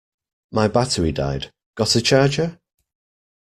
My battery died, got a charger?